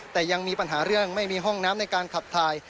แต่ยังมีปัญหาเรื่องไม่มีห้องน้ำในการขับถ่าย